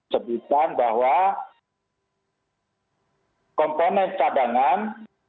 sebutkan bahwa komponen cadangan